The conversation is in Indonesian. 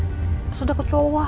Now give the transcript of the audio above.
terus udah kecoa